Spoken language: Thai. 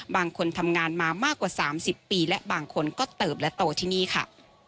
บางคนทำงานมามากกว่า๓๐ปีและบางคนก็เติบและโตที่นี่ค่ะ